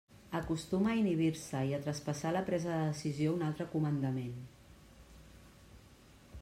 Acostuma a inhibir-se i a traspassar la presa de decisió a un altre comandament.